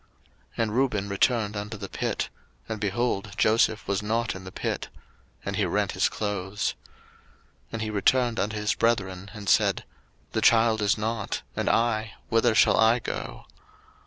01:037:029 And Reuben returned unto the pit; and, behold, Joseph was not in the pit; and he rent his clothes. 01:037:030 And he returned unto his brethren, and said, The child is not; and I, whither shall I go?